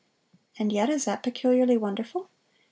And yet is that peculiarly wonderful?